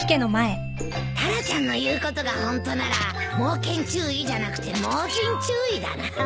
タラちゃんの言うことがホントなら「猛犬注意」じゃなくて「猛人注意」だな。